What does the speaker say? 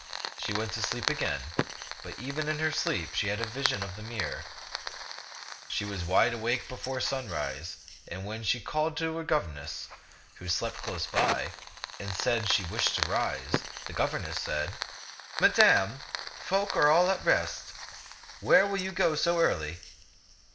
She went to sleep again, but even in her sleep she had a vision of the mirror. She was wide awake before sunrise, and she called her governess, who slept close by, and said she wished to rise. The governess said, "Madame, folk are all at rest. Where will you go so early?"